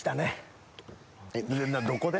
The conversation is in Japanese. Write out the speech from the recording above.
どこで？